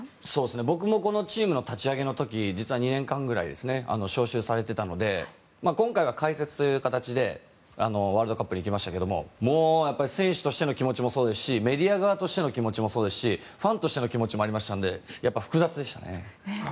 僕もこのチームの立ち上げの時実は２年間ぐらい招集されていたので今回は解説という形でワールドカップに行きましたが選手としての気持ちもそうですしメディア側としての気持ちもそうですしファンとしての気持ちもありましたのでやっぱり複雑でしたね。